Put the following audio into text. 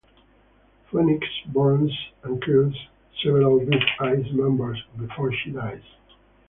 Phoenix burns and kills several Big Eye members before she dies.